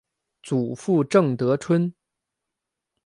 祖父郑得春。